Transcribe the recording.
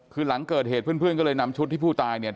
คือหลังเกิดเหตุเพื่อนก็เลยนำชุดที่ผู้ตายเนี่ย